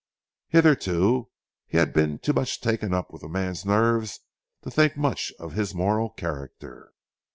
Hitherto, he had been too much taken up with the man's nerves to think much of his moral character.